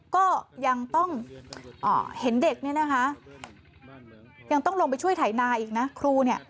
ก็ยังต้องเห็นเด็กเนี่ยนะคะยังต้องลงไปช่วยไถนาอีกนะครูเนี่ย